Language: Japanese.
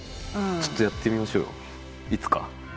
ちょっとやってみましょうよいつか。